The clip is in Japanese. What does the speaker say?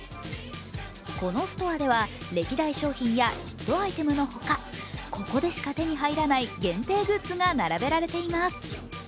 このストアでは、歴代商品やヒットアイテムのほか、ここでしか手に入らない限定グッズが並べられています。